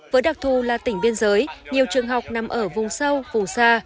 với đặc thù là tỉnh biên giới nhiều trường học nằm ở vùng sâu vùng xa